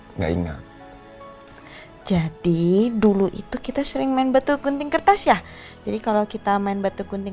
enggak ingat jadi dulu itu kita sering main batu gunting kertas ya jadi kalau kita main batu gunting